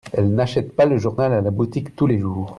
Elles n'achètent pas le journal à la boutique tous les jours